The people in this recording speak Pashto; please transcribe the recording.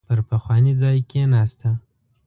پر پخواني ځای کېناسته.